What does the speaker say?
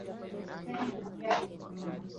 Baba yake alikuwa mpishi mbobevu.